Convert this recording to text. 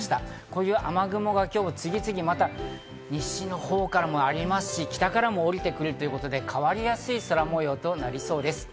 こういう雨雲が次々また西のほうからもありますし、北からも降りてくる変わりやすい空模様となりそうです。